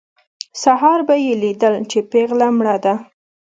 سهار به یې لیدل چې پېغله مړه ده.